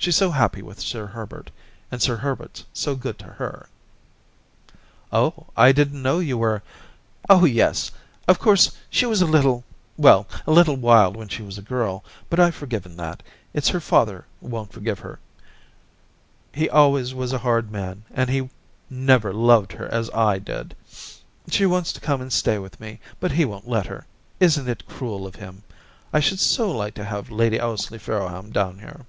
She's so happy with Sir Herbert. And Sir Herbert's so good to her.' ... *Oh, I didn't know you were.* ...* Oh, yes ! Of course she was a little — well, a little wild when she was a girl, but Fve for given that. It's her father won't forgive her. He always was a hard man, and he never loved her as I did. She wants to come and stay with me, but he won't let her. Isn't it cruel of him ? I should so like to have Lady Ously Farrowham down here.'